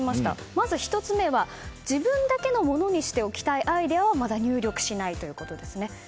まず１つ目は、自分だけのものにしておきたいアイデアはまだ入力しないということですね。